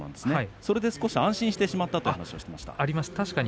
それで少し安心してしまったという話をしていました。